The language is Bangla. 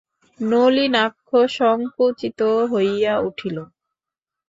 নলিনাক্ষ সংকুচিত হইয়া উঠিল।